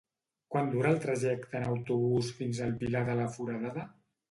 Quant dura el trajecte en autobús fins al Pilar de la Foradada?